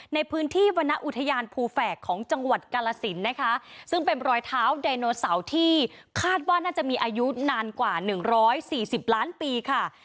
ในพื้นที่วรรณอุทยานภูแฝกของจังหวัดกาลสินนะคะซึ่งเป็นรอยเท้าไดโนเสาร์ที่คาดว่าน่าจะมีอายุนานกว่าหนึ่งร้อยสี่สิบล้านปีค่ะ